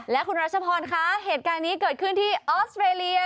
และคุณรัชพรคะเหตุการณ์นี้เกิดขึ้นที่ออสเตรเลีย